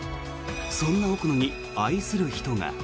そんな奥野に愛する人が。